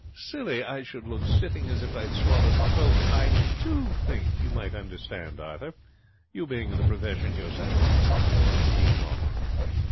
Silly I should look sitting as if I'd swallowed a poker. I do think you might understand, Arthur, you being in the profession yourself.' He coughed.